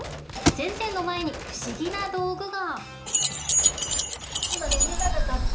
先生の前に不思議な道具が。